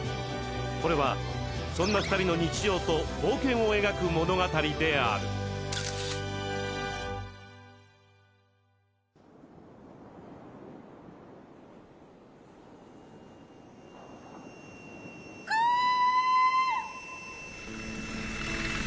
これはそんな２人の日常と冒険を描く物語であるコーン！